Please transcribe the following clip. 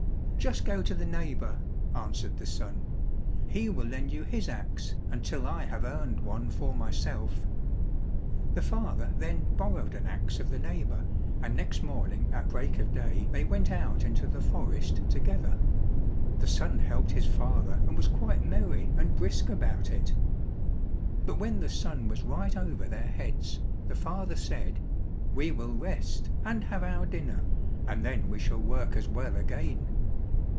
"Just go to the neighbour," answered the son, "he will lend you his axe until I have earned one for myself." The father then borrowed an axe of the neighbour, and next morning at break of day they went out into the forest together. The son helped his father and was quite merry and brisk about it. But when the sun was right over their heads, the father said, "We will rest, and have our dinner, and then we shall work as well again."